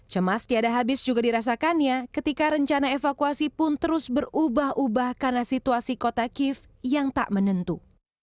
cemas tiada habis juga dirasakannya ketika rencana evakuasi pun terus berubah ubah karena situasi kota kiev yang tak menentu